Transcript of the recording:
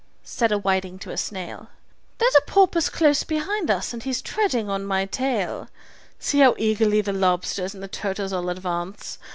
said a whiting to a snail, "There's a porpoise close behind us, and he's treading on my tail. See how eagerly the lobsters and the turtles all advance!